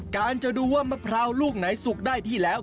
การจะดูว่ามะพร้าวลูกไหนสุกได้ที่แล้ว